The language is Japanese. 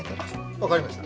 分かりました